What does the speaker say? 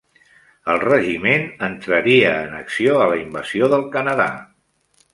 El regiment entraria en acció a la Invasió del Canadà.